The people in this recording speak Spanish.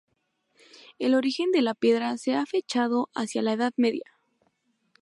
El origen de la piedra se ha fechado hacia la Edad Media.